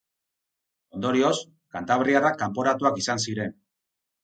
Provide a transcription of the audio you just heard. Ondorioz, kantabriarrak kanporatuak izan ziren.